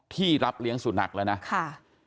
ที่รับเลี้ยงสุนัขแล้วนะค่ะ